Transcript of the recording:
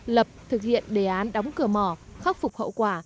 lập thực hiện đề án đóng cửa mỏ khắc phục hậu quả